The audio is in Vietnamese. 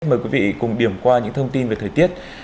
mời quý vị cùng điểm qua những thông tin về thời tiết